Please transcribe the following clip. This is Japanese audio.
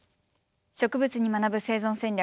「植物に学ぶ生存戦略」。